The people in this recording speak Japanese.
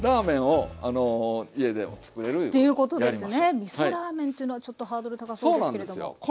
みそラーメンというのはちょっとハードル高そうですけれども。